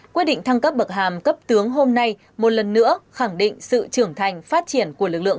quyết định thăng cấp bậc hàm cấp tướng hôm nay một lần nữa khẳng định sự trưởng thành phát triển của lực lượng